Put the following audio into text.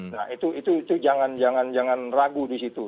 nah itu jangan ragu di situ